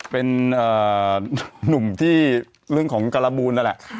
เป็นนุ่มที่เรื่องของการบูลนั่นแหละ